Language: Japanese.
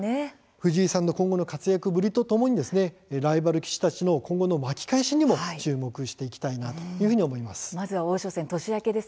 藤井さんの今後の活躍ぶりとともにライバル棋士の今後の巻き返しにも注目したいと思います。